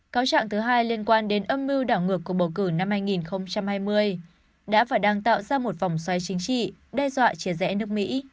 cáo trạng thứ hai liên quan đến âm mưu đảo ngược của bầu cử năm hai nghìn hai mươi đã và đang tạo ra một vòng xoáy chính trị đe dọa chia rẽ nước mỹ